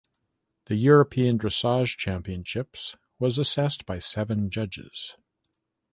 The European Dressage Championships was assessed by seven judges.